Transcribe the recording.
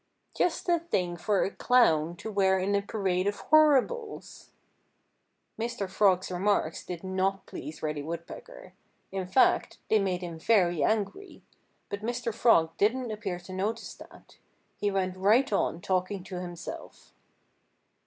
"Just the thing for a clown to wear in a parade of Horribles!" Mr. Frog's remarks did not please Reddy Woodpecker. In fact they made him very angry. But Mr. Frog didn't appear to notice that. He went right on talking to himself.